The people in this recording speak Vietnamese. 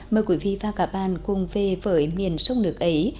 mời quý vị và các bạn cùng về với miền sông nước ấy